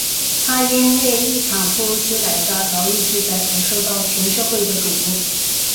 他因为一场突如其来的牢狱之灾而受到全社会的瞩目。